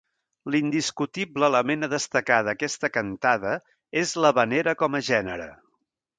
L'indiscutible element a destacar d'aquesta Cantada és l'havanera com a gènere.